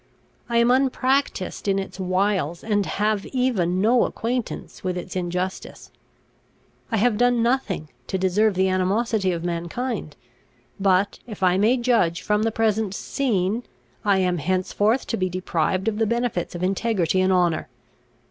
I am unpractised in its wiles, and have even no acquaintance with its injustice. I have done nothing to deserve the animosity of mankind; but, if I may judge from the present scene, I am henceforth to be deprived of the benefits of integrity and honour.